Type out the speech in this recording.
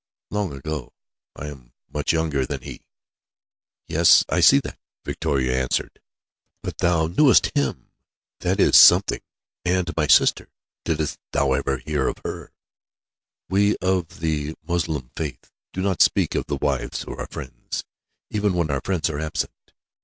"Long ago. I am much younger than he." "Yes, I see that," Victoria answered. "But thou knewest him! That is something. And my sister. Didst thou ever hear of her?" "We of the Mussulman faith do not speak of the wives of our friends, even when our friends are absent.